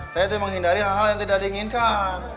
saya itu menghindari hal hal yang tidak diinginkan